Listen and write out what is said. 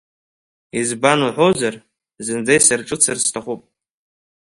Избан уҳәозар, зынӡа исырҿыцыр сҭахуп.